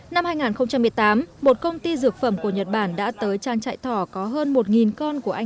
năm hai nghìn một mươi tám một công ty dược phẩm của nhật bản đã tới trang trại thỏ có hơn một con của anh